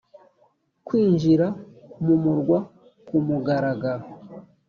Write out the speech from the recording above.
kwinjira mu murwa ku mugaragaro